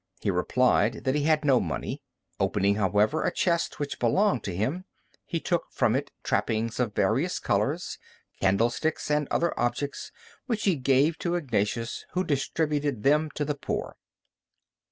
He replied that he had no money. Opening, however, a chest which belonged to him, he took from it trappings of various colors, candlesticks, and other objects, which he gave to Ignatius, who distributed them to the poor.